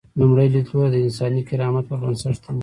لومړی لیدلوری د انساني کرامت پر بنسټ دی.